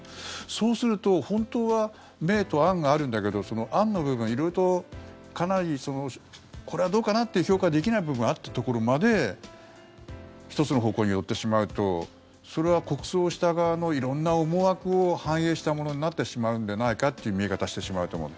そうすると本当は明と暗があるんだけどその暗の部分、色々とかなりこれはどうかなという評価できない部分があったところまで１つの方向に寄ってしまうとそれは国葬した側の色んな思惑を反映したものになってしまうんでないかという見え方をしてしまうと思う。